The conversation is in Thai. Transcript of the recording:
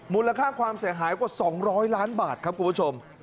มูลค่าความเสียหายกว่า๒๐๐ล้านบาทครับคุณผู้ชม